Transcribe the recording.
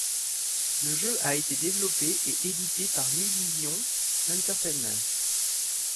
Le jeu a été développé et édité par Nuvision Entertainment.